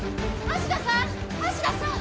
橋田さん！